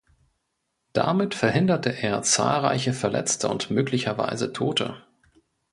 Damit verhinderte er zahlreiche Verletzte und möglicherweise Tote.